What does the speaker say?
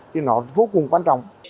thì nó vô cùng quan trọng